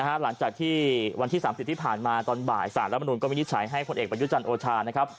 หลังจากที่วันที่๓๐ที่ผ่านมาตอนบ่ายสารรัฐมนุนก็วินิจฉัยให้ผลเอกประยุจันทร์โอชานะครับ